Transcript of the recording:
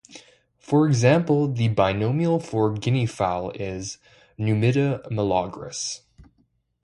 For example, the binomial for the guineafowl is "Numida meleagris".